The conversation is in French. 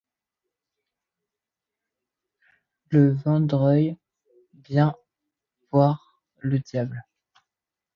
Ie vouldroys bien veoir le diable !…